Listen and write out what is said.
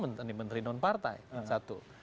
menteri menteri nonpartai satu